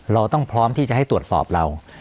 เราต้องพร้อมที่จะให้ตรวจสอบเรา